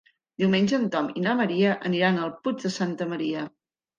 Diumenge en Tom i na Maria aniran al Puig de Santa Maria.